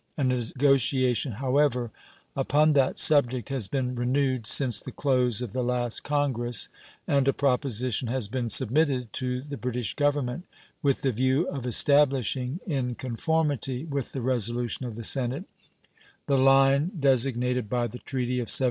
A negotiation, however, upon that subject has been renewed since the close of the last Congress, and a proposition has been submitted to the British Government with the view of establishing, in conformity with the resolution of the Senate, the line designated by the treaty of 1783.